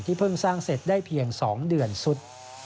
เพิ่งสร้างเสร็จได้เพียง๒เดือนสุด